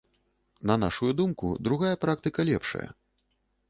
На нашую думку, другая практыка лепшая.